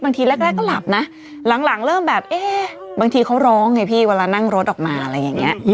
ทีแรกก็หลับนะหลังเริ่มแบบเอ๊ะบางทีเขาร้องไงพี่เวลานั่งรถออกมาอะไรอย่างนี้